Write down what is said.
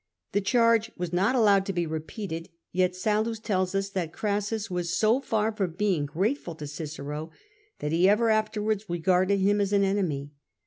The charge was not allowed to be repeated, yet Sallust tells us that Crassus was so far from being grateful to Cicero that he ever afterwards regarded him as an enemy.